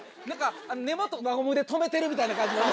根元輪ゴムで留めてるみたいな感じのね